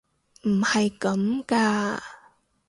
唔係咁㗎！